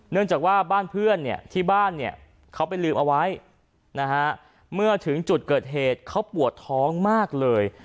เนื่องจากว่าบ้านเพื่อนเนี่ยที่บ้านเนี่ยเขาไปลืมเอาไว้นะฮะเมื่อถึงจุดเกิดเหตุเขาปวดท้องมากเลย